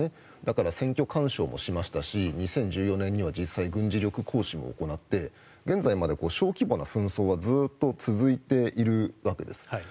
だから選挙干渉もしましたし２０１４年には実際、軍事力行使も行って現在まで小規模な紛争がずっと続いているわけです。